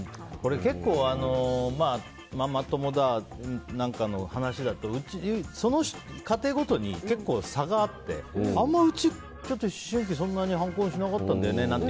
結構ママ友だとかの話だとその家庭ごとに、結構差があってうちは小さい時そんなに反抗しなかったんだよねなんて